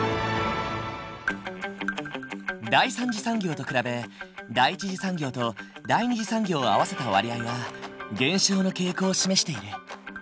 第三次産業と比べ第一次産業と第二次産業を合わせた割合は減少の傾向を示している。